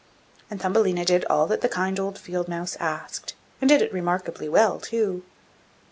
And Thumbelina did all that the kind old field mouse asked, and did it remarkably well too.